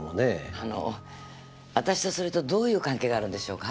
あのあたしとそれとどういう関係があるんでしょうか？